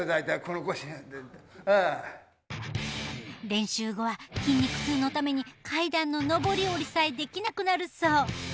練習後は筋肉痛のために階段の上り下りさえできなくなるそう。